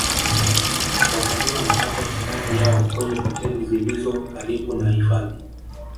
watalii wanapata hifadhi yao kwenye hoteli zilizo karibu na hifadhi